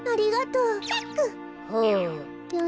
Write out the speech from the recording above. うん。